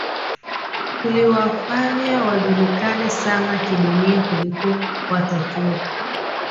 kuliwafanya wajulikane sana kidunia kuliko Wataturu